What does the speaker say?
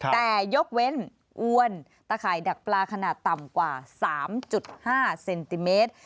แต่ยกเว้นอ้วนตะข่ายดักปลาขนาดต่ำกว่า๓๕เซนติเมตร